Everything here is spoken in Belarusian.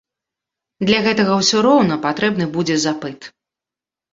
Для гэтага ўсё роўна патрэбны будзе запыт.